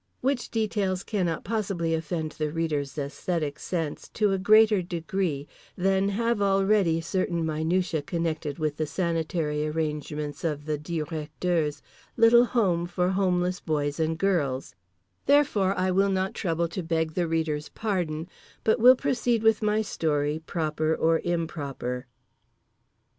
Which details cannot possibly offend the reader's aesthetic sense to a greater degree than have already certain minutiae connected with the sanitary arrangements of The Directeur's little home for homeless boys and girls—therefore I will not trouble to beg the reader's pardon; but will proceed with my story proper or improper.